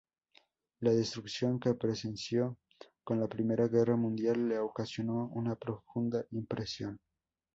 La destrucción que presenció con la Primera Guerra Mundial le ocasionó una profunda impresión.